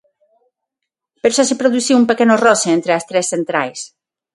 Pero xa se produciu un pequeno roce entre as tres centrais.